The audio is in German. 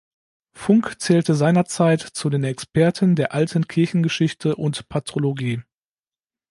Funk zählte seinerzeit zu den Experten der Alten Kirchengeschichte und Patrologie.